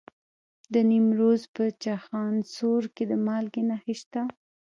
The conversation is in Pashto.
د نیمروز په چخانسور کې د مالګې نښې شته.